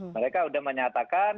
mereka sudah menyatakan